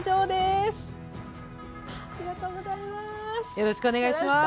よろしくお願いします。